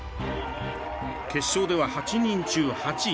決勝では８人中８位。